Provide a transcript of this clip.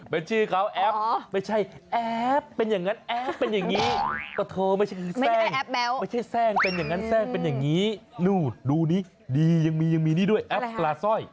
มีแซ่งเป็นอย่างนี้ดูนี่ดียังมีด้วยแอพปลาสร้อย